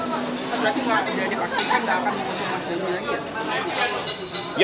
tapi nggak jadi pastikan nggak akan mas demi lagi ya